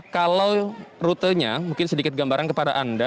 kalau rutenya mungkin sedikit gambaran kepada anda